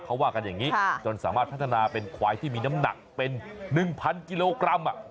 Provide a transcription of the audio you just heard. เขาว่ากันอย่างนี้จนสามารถพัฒนาเป็นควายที่มีน้ำหนักเป็น๑๐๐กิโลกรัม